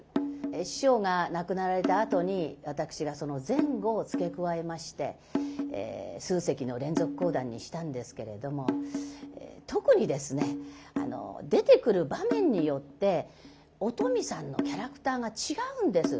師匠が亡くなられたあとに私がその前後を付け加えまして数席の連続講談にしたんですけれども特にですね出てくる場面によってお富さんのキャラクターが違うんです。